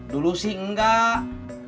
dulu sih enggak